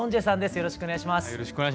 よろしくお願いします。